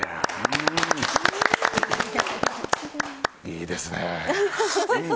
いいですね。